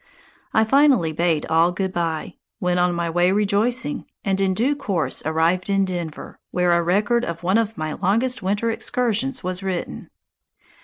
I finally bade all good bye, went on my way rejoicing, and in due course arrived at Denver, where a record of one of my longest winter excursions was written.